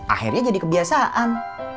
akhirnya jadi kebiasaan